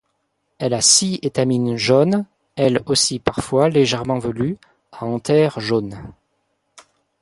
Elle a six étamines jaunes, elles aussi parfois légèrement velues, à anthères jaunes.